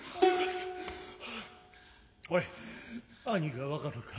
おい兄が分かるか。